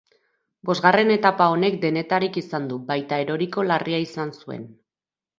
Bosgarren etapa honek denetarik izan du, baita eroriko larria izan zuen.